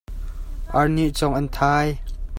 Ar nih cawng an thai.